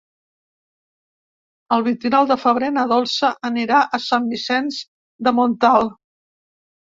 El vint-i-nou de febrer na Dolça anirà a Sant Vicenç de Montalt.